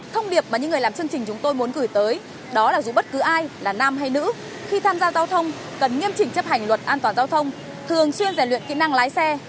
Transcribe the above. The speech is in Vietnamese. thông điệp mà những người làm chương trình chúng tôi muốn gửi tới đó là dù bất cứ ai là nam hay nữ khi tham gia giao thông cần nghiêm chỉnh chấp hành luật an toàn giao thông thường xuyên giải luyện kỹ năng lái xe